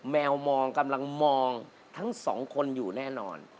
แมวมองกำลังมองทั้งสองคนอยู่แน่นอน